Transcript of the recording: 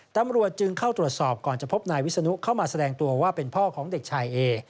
ตำรวจจึงเข้าตรวจสอบก่อนจะพบนายวิศนุเข้ามาแสดงตัวว่าเป็นพ่อของเด็กชายเอ